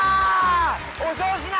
おしょうしな！